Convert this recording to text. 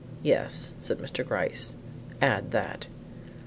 "Yes," said Mr. Gryce, "add that."